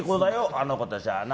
あの子たちはな。